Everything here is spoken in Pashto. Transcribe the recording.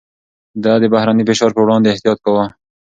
ده د بهرني فشار پر وړاندې احتياط کاوه.